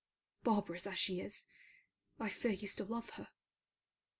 Barbarous as she is, I fear you still love her.